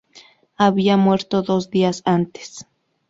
Había muerto dos días antes.